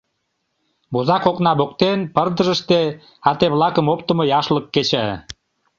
Возак окна воктен, пырдыжыште, ате-влакым оптымо яшлык кеча.